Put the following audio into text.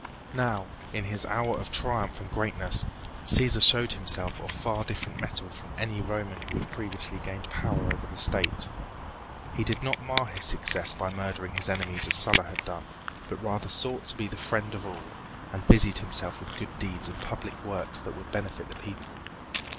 Now, in his hour of triumph and greatness, Cæsar showed himself of far different mettle from any Roman who had previously gained power over the state. He did not mar his success by murdering his enemies as Sulla had done, but rather sought to be the friend of all, and busied himself with good deeds and public works that would benefit the people.